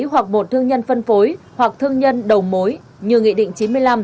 hoặc một thương nhân phân phối hoặc thương nhân đầu mối như nghị định chín mươi năm